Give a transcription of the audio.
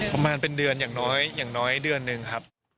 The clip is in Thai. ประมาณเป็นเดือนอย่างน้อยเดือนหนึ่งครับ